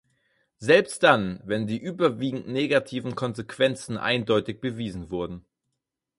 Selbst dann, wenn die überwiegend negativen Konsequenzen eindeutig bewiesen wurden.